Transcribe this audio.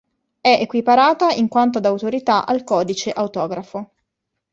È equiparata in quanto ad autorità al codice autografo.